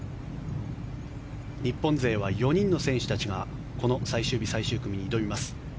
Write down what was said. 日本勢は４人の選手たちがこの最終日、最終組に挑みます。